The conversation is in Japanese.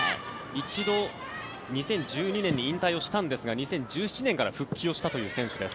一度、２０１２年に引退をしたんですが２０１７年から復帰したという選手です。